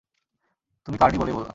তুমি কার্নি বলেই বললাম।